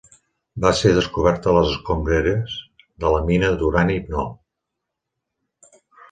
Va ser descoberta a les escombreres de la mina d'urani No.